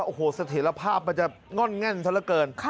โอ้โหเสถียรภาพมันจะง่อนแง่นซะละเกิน